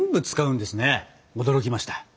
驚きました。